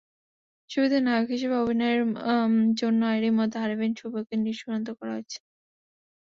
ছবিতে নায়ক হিসেবে অভিনয়ের জন্য এরই মধ্যে আরিফিন শুভকে চূড়ান্ত করা হয়েছে।